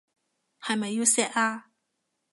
係咪要錫啊？